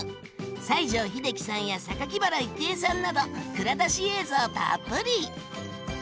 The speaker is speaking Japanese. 西城秀樹さんや原郁恵さんなど蔵出し映像たっぷり！